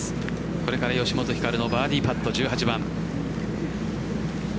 これから吉本ひかるのバーディーパット１８番。